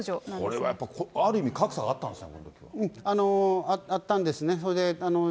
これはやっぱりある意味、あったんですね。